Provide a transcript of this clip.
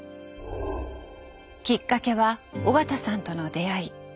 きっかけは緒方さんとの出会い。